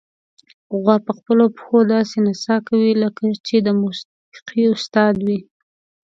غوا په خپلو پښو داسې نڅا کوي، لکه چې د موسیقۍ استاد وي.